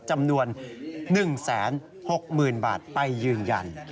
จำนวน๑๖๐๐๐บาทไปยืนยัน